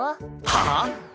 はあ？